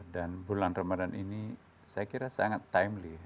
dan bulan ramadan ini saya kira sangat timely